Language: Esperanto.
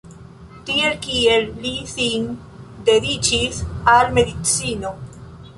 Tiel kiel li sin dediĉis al medicino.